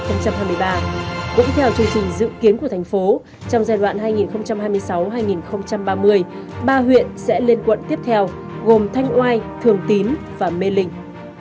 cũng theo chương trình dự kiến của thành phố trong giai đoạn hai nghìn hai mươi sáu hai nghìn ba mươi ba huyện sẽ lên quận tiếp theo gồm thanh oai thường tín và mê linh